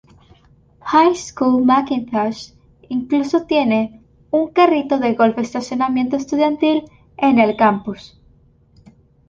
High School McIntosh incluso tiene un carrito de golf estacionamiento estudiantil en el campus.